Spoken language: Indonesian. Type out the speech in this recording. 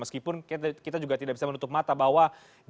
meskipun kita juga tidak bisa menutup mata bahwa